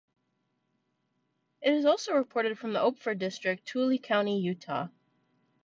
It is also reported from the Ophir District, Tooele County, Utah.